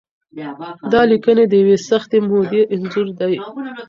دا لیکنې د یوې سختې مودې انځور دی.